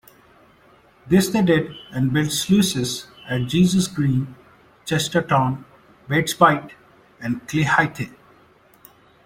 This they did, and built sluices at Jesus Green, Chesterton, Baits Bite and Clayhithe.